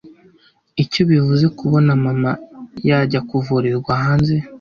icyo bivuze kubona mama yajya kuvurirwa hanze